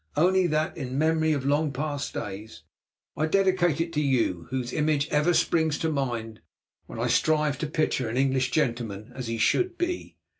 Only that in memory of long past days I dedicate it to you whose image ever springs to mind when I strive to picture an English gentleman as he should be.